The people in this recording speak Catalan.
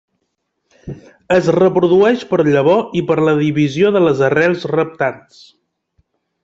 Es reprodueix per llavor i per la divisió de les arrels reptants.